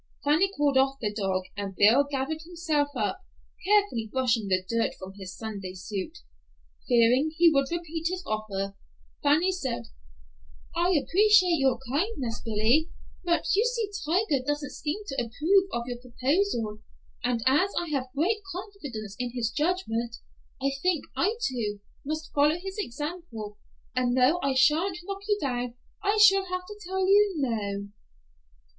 Fanny called off the dog, and Bill gathered himself up, carefully brushing the dirt from his Sunday suit. Fearing he would repeat his offer, Fanny said, "I appreciate your kindness, Billy, but you see Tiger doesn't seem to approve of your proposal, and as I have great confidence in his judgment, I think I, too, must follow his example, and though I shan't knock you down, I shall have to tell you 'No.